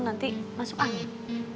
nanti masuk angin